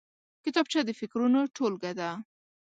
کتابچه د فکرونو ټولګه ده